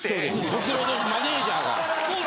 ブクロとマネジャーが。